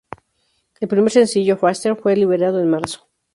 El primer sencillo, "Faster", fue liberado en marzo.